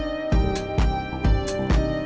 jalan atau pake motor